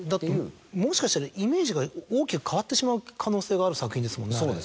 もしかしたらイメージが大きく変わってしまう可能性がある作品ですもんねあれ。